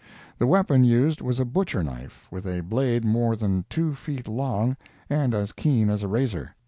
The weapon used was a butcher knife, with a blade more than two feet long, and as keen as a razor.